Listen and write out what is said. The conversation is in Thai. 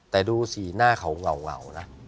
แต่ดูสีหน้าเขาเหงานะ